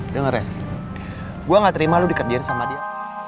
dengar ya gua ga terima lu dikendiri sama dia